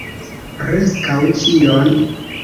Preskaŭ ĉion.